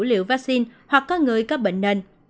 liệu vaccine hoặc có người có bệnh nền